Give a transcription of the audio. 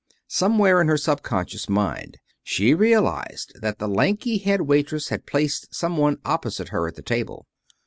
Somewhere in her subconscious mind she realized that the lanky head waitress had placed some one opposite her at the table.